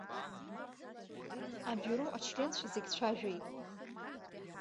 Абиуро ачленцәа зегьы цәажәеит.